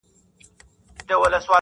• د خلکو کورونو ته اورونه اچولي -